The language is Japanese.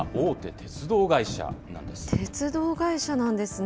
鉄道会社なんですね。